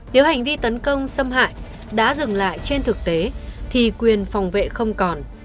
nếu hành vi tấn công xâm hại đã dừng lại trên thực tế thì quyền phòng vệ không còn